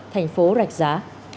thành phố rạch giá